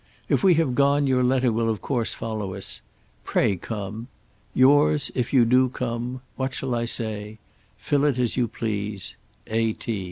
If we have gone your letter will of course follow us. Pray come. Yours if you do come ; what shall I say? Fill it as you please. A.